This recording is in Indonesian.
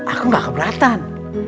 aku gak keberatan